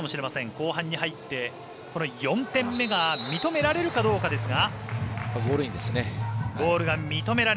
後半に入って４点目が認められるかどうかですが。